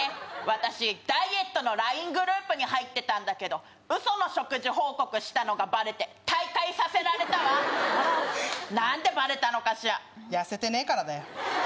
私ダイエットのＬＩＮＥグループに入ってたんだけどウソの食事報告したのがバレて退会させられたわなんでバレたのかしら痩せてねえからだよ